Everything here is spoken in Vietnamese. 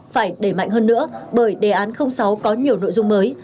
phải đẩy mạnh hơn nữa bởi đề án sáu có nhiều nội dung mới